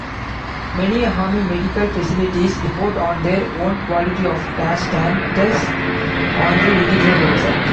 Many Army medical facilities report on their own quality-of-care standards on their individual website.